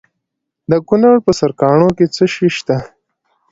د کونړ په سرکاڼو کې څه شی شته؟